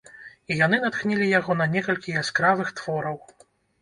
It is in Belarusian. І яны натхнілі яго на некалькі яскравых твораў.